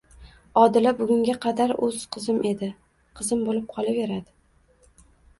Odila bugunga qadar o'z qizim edi, qizim bo'lib qolaveradi.